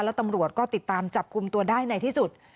แล้วตำรวจก็ติดตามจับกลุ่มตัวได้ในที่สุด